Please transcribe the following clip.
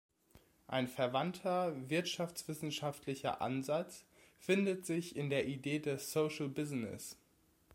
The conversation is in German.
Ein verwandter wirtschaftswissenschaftlicher Ansatz findet sich in der Idee des Social Business.